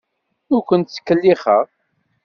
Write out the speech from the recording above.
Ur kent-ttkellixeɣ.